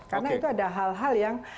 karena itu ada hal hal yang